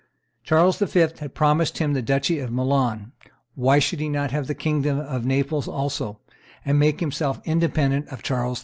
Charles V. had promised him the duchy of Milan; why should he not have the kingdom of Naples also, and make himself independent of Charles V.?